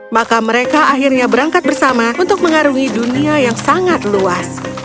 maka mereka akhirnya berangkat bersama untuk mengarungi dunia yang sangat luas